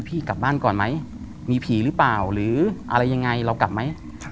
พี่กลับบ้านก่อนไหมมีผีหรือเปล่าหรืออะไรยังไงเรากลับไหม